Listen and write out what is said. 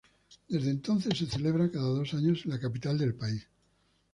Desde entonces se celebra cada dos años en la capital del país.